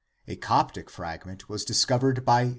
A Coptic frag ment was discovered by C.